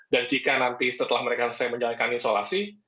dan jika nanti setelah mereka selesai menjalankan isolasi